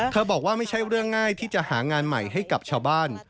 บอกว่าไม่ใช่เรื่องง่ายที่จะหางานใหม่ให้กับชาวบ้าน